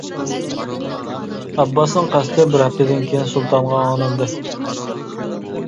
ئابباسنىڭ قەستى بىر ھەپتىدىن كېيىن سۇلتانغا ئاڭلاندى.